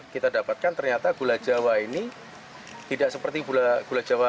kita dapatkan ternyata gula jawa ini tidak seperti gula jawa